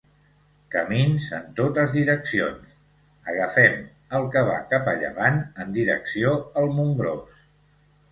Camins en totes direccions, agafem el que va cap a llevant en direcció al Montgròs.